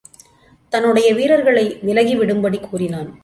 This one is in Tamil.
தன்னுடைய வீரர்களை விலகி விடும்படி கூறினான்.